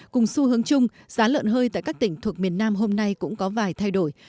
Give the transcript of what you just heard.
cùng xu hướng chung giá lợn hơi tại các tỉnh thuộc miền nam hôm nay cũng có vài thay đổi